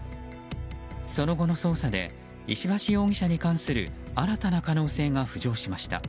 その後の捜査で石橋容疑者に関する新たな可能性が浮上しました。